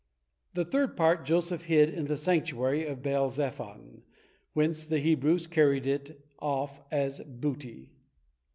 The third part Joseph hid in the sanctuary of Baal zephon, whence the Hebrews carried it off as booty.